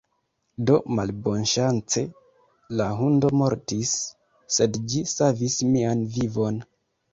Do malbonŝance, la hundo mortis, sed ĝi savis mian vivon